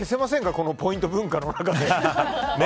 このポイント文化の中で。